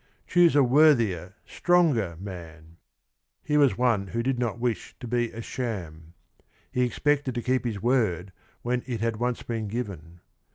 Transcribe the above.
Choose a worthier, stronger man !" Here was one who did not wish to be a sham. He expected to keep his word when it had once been given.